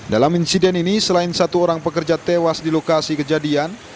dalam insiden ini selain satu orang pekerja tewas di lokasi kejadian